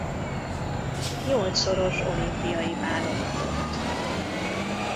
Nyolcszoros olimpiai válogatott.